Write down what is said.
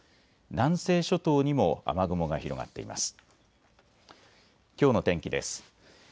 南西諸島にも雨雲が広がっています。